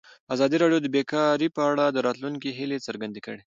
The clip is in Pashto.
ازادي راډیو د بیکاري په اړه د راتلونکي هیلې څرګندې کړې.